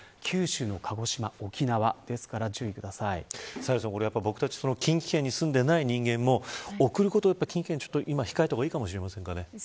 サヘルさん、僕たち近畿圏に住んでいない人間も送ることを控えた方がいいかもしれませんね。